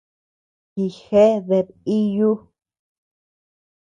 Jijea deabea iiyuu.